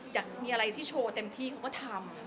อยากมีอะไรที่โชว์เต็มที่เขาก็ทำ